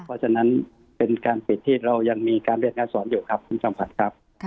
เพราะฉะนั้นเป็นการปิดที่เรายังมีการเรียนการสอนอยู่ครับคุณจอมขวัญครับ